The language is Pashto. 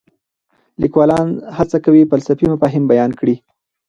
لیکوالان هڅه کوي فلسفي مفاهیم بیان کړي.